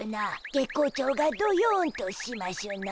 月光町がどよんとしましゅな。